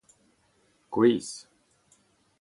gwez